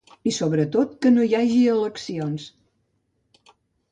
I sobretot que no hi hagi eleccions.